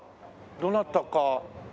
どなたか。